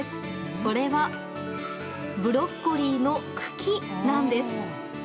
それはブロッコリーの茎なんです。